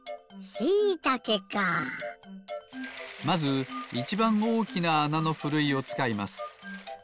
まずいちばんおおきなあなのふるいをつかいます。